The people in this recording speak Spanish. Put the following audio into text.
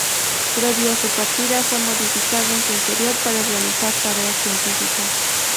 Previo a su partida, fue modificado en su interior, para realizar tareas científicas.